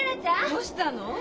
どうしたの？